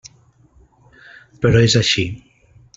Però és així.